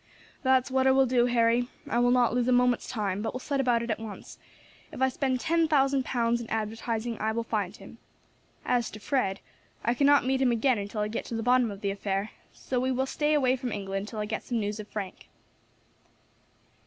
"That's what I will do, Harry. I will not lose a moment's time, but will set about it at once; if I spend ten thousand pounds in advertising I will find him. As to Fred, I cannot meet him again until I get to the bottom of the affair, so we will stay away from England till I get some news of Frank."